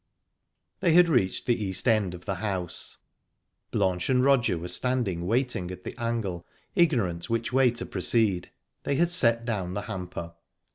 They had reached the east end of the house. Blanche and Roger were standing waiting at the angle, ignorant which way to proceed; they had set down the hamper.